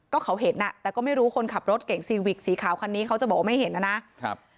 ก็เขาเห็นอ่ะแต่ก็ไม่รู้คนขับรถเก่งซีวิกสีขาวคันนี้เขาจะบอกว่าไม่เห็นนะครับ